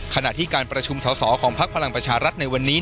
ขณะที่การประชุมสอสอของพักพลังประชารัฐในวันนี้